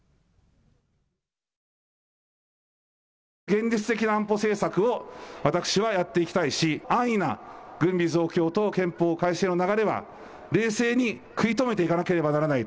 現実的な安保政策を私はやっていきたいし、安易な軍備増強と憲法改正の流れは冷静に食い止めていかなければならない。